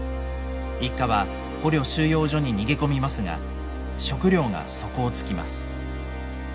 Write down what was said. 一家は捕虜収容所に逃げ込みますが食料が底をつきます。